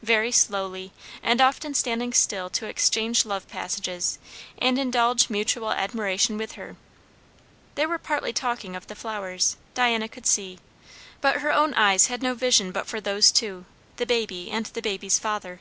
Very slowly, and often standing still to exchange love passages and indulge mutual admiration with her. They were partly talking of the flowers, Diana could see; but her own eyes had no vision but for those two, the baby and the baby's father.